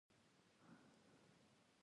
چې هېڅ ډول مطلب او هدف نه لري.